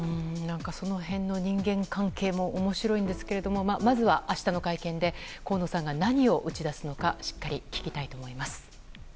その辺の人間関係も面白いんですがまずは、明日の会見で河野さんが何を打ち出すのかしっかり聞きたいと思います。